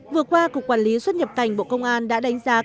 và chúng ta sẽ bắt đầu với